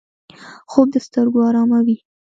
خوب د سترګو آراموي